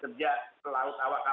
awal kapal dan pelaut perikanan